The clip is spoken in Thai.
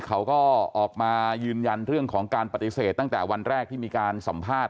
เขาก็ออกมายืนยันเรื่องของการปฏิเสธตั้งแต่วันแรกที่มีการสัมภาษณ์